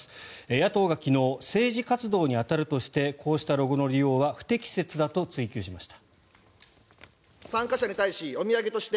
野党が昨日政治活動に当たるとしてこうしたロゴの利用は不適切だと追及しました。